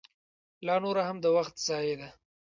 لا نوره هم د وخت ضایع ده.